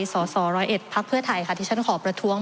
สส๑๐๑พไทยที่ฉันขอประทวง